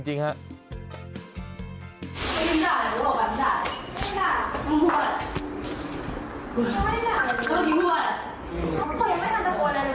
เห้ยเห้ยเห้ยเห้ยเห้ย